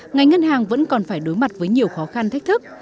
ngành ngân hàng vẫn còn phải đối mặt với nhiều khó khăn thách thức